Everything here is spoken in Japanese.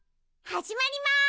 はじまります！